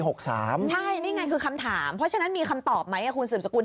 ใช่นี่ไงคือคำถามเพราะฉะนั้นมีคำตอบไหมคุณสืบสกุล